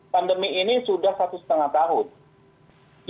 pandemi ini sudah satu setengah tahun